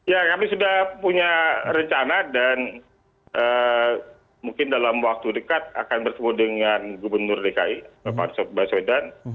ya kami sudah punya rencana dan mungkin dalam waktu dekat akan bertemu dengan gubernur dki bapak arsul baswedan